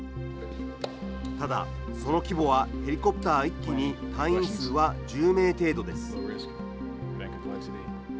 ただ、その規模はヘリコプター１機に、隊員数は１０名程度です。